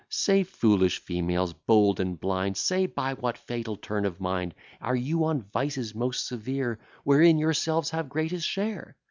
Say, foolish females, bold and blind, Say, by what fatal turn of mind, Are you on vices most severe, Wherein yourselves have greatest share?